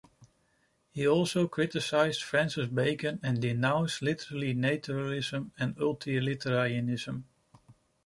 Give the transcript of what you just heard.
He also criticized Francis Bacon and denounced literary naturalism and utilitarianism.